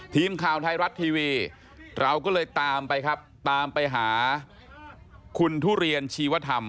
ทีมข่าวไทยรัฐทีวีเราก็เลยตามไปครับตามไปหาคุณทุเรียนชีวธรรม